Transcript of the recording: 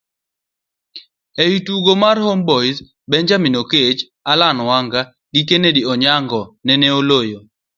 ei tugo mar Homeboyz, Benjamin Oketch, Allan Wanga gi Kennedy Onyango nene oloyo